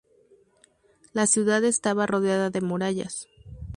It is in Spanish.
La ciudad estaba rodeada de murallas.